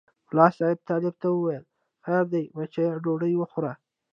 ملا صاحب طالب ته وویل خیر دی بچیه ډوډۍ وخوره.